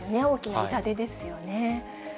大きな痛手ですよね。